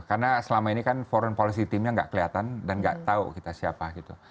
karena selama ini kan foreign policy teamnya nggak kelihatan dan nggak tahu kita siapa gitu